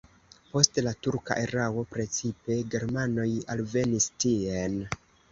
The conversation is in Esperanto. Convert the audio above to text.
Post la turka erao precipe germanoj alvenis tien.